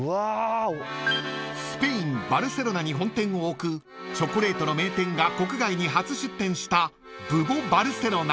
［スペインバルセロナに本店を置くチョコレートの名店が国外に初出店したブボ・バルセロナ］